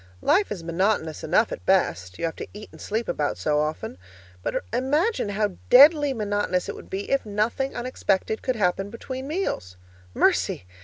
Life is monotonous enough at best; you have to eat and sleep about so often. But imagine how DEADLY monotonous it would be if nothing unexpected could happen between meals. Mercy!